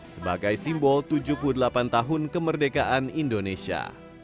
sebagai simbol tujuh puluh delapan tahun kemerdekaan indonesia